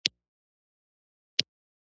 دوی د دندې په اړه هم هېڅ خبرې نه وې کړې